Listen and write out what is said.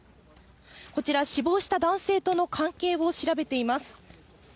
こちら、死亡した男性との関係を調べています。